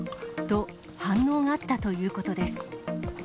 と、反応があったということです。